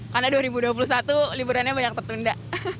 karena dua ribu dua puluh satu liburannya banyak tertunda